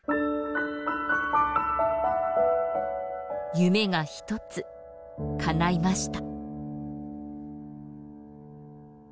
夢が一つかないました。